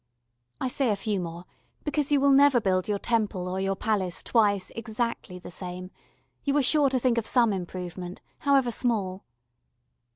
I say a few more, because you will never build your temple or your palace twice exactly the same: you are sure to think of some improvement, however small.